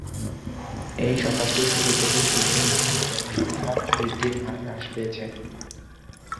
এই শতাব্দীর শুরু থেকেই চীনের জনসংখ্যা বৃদ্ধির হার হ্রাস পেয়েছে।